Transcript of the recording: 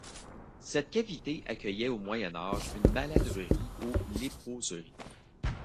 Cette cavité accueillait au Moyen Âge une maladrerie ou léproserie.